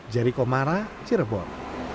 jeriko mara cirebon